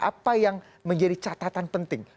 apa yang menjadi catatan penting